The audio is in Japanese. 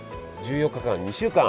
１４日間２週間！